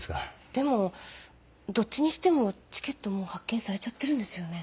でもどっちにしてもチケットもう発券されちゃってるんですよね。